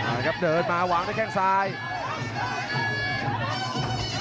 เดินมาเราวางได้แค่ขวาซ้าย